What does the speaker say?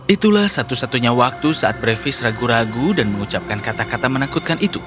itulah satu satunya waktu saat brevis ragu ragu dan mengucapkan kata kata menakutkan itu